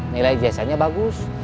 nilai ijazahnya bagus